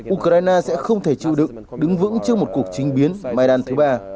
ukraine sẽ không thể chịu được đứng vững trước một cuộc trình biến maidan thứ ba